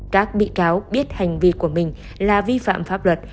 các bị cáo biết hành vi của mình là vi phạm pháp luật